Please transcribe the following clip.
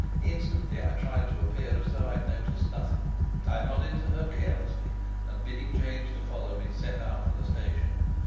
Instantly I tried to appear as though I had noticed nothing. I nodded to her carelessly, and bidding James follow me, set out for the station.